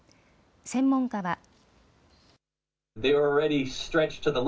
専門家は。